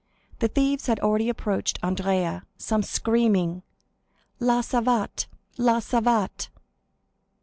The thieves had already approached Andrea, some screaming, _"La savate—La savate!"